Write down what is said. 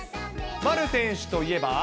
丸選手といえば。